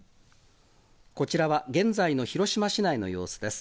こちらは、現在の広島市内の様子です。